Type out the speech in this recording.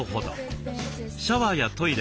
シャワーやトイレ